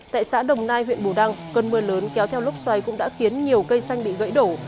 tại xã đồng nai huyện bù đăng cơn mưa lớn kéo theo lốc xoáy cũng đã khiến nhiều cây xanh bị gãy đổ